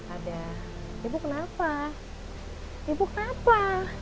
ada ibu kenapa ibu kenapa